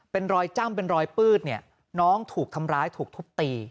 เป็นรอยจ้ำเป็นรอยปืดเนี่ยน้องถูกทำร้ายถูกทุบตี